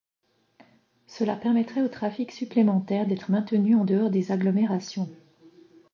Cela permettrait au trafic supplémentaire d’être maintenu en dehors des agglomérations.